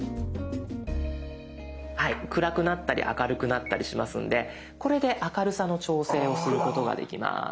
はい暗くなったり明るくなったりしますのでこれで明るさの調整をすることができます。